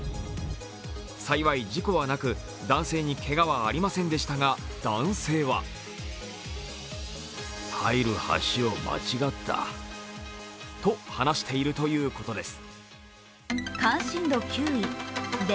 幸い事故はなく男性にけがはありませんでしたが男性はと話しているということです。